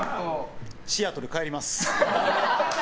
シアトル帰ります。